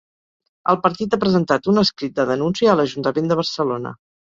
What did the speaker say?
El partit ha presentat un escrit de denúncia a l’ajuntament de Barcelona.